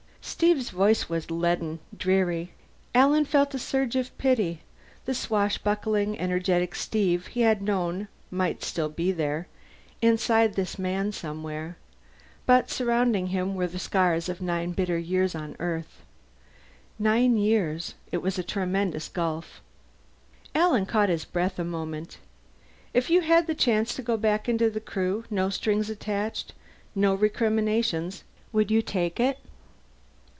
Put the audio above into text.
Steve's voice was leaden, dreary. Alan felt a surge of pity. The swashbuckling, energetic Steve he had known might still be there, inside this man somewhere, but surrounding him were the scars of nine bitter years on Earth. Nine years. It was a tremendous gulf. Alan caught his breath a moment. "If you had the chance to go back into the Crew, no strings attached, no recriminations would you take it?"